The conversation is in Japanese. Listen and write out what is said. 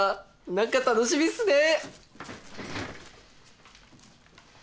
何か楽しみっすね！